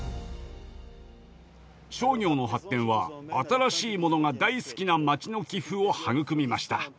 商業の発展は新しいものが大好きな街の気風を育みました。